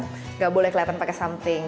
tidak boleh kelihatan pakai something